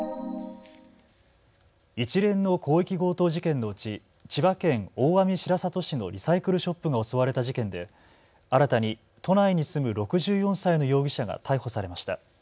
一連の広域強盗事件のうち千葉県大網白里市のリサイクルショップが襲われた事件で新たに都内に住む６４歳の容疑者が逮捕されました。